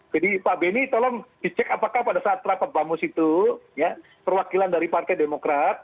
jadi pak benny tolong dicek apakah pada saat rapat bamus itu ya perwakilan dari partai demokrat